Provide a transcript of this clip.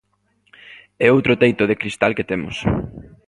É outro teito de cristal que temos.